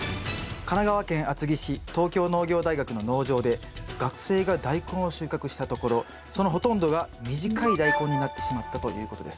神奈川県厚木市東京農業大学の農場で学生がダイコンを収穫したところそのほとんどが短いダイコンになってしまったということです。